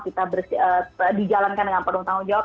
kita dijalankan dengan penuh tanggung jawab